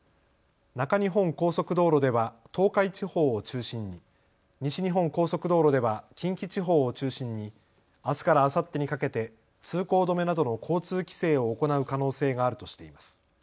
中日本高速道路では東海地方を中心に、西日本高速道路では近畿地方を中心にあすからあさってにかけて通行止めなどの交通規制を行う可能性があるとしています。